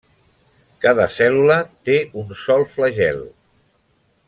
Cada cèl·lula té un sol flagel.